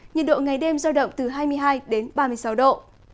nhiệt độ ngày đêm giao động từ hai mươi hai đến ba mươi sáu độ